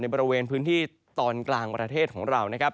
บริเวณพื้นที่ตอนกลางประเทศของเรานะครับ